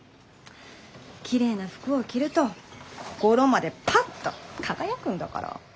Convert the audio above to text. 綺麗な服を着ると心までパッと輝くんだから！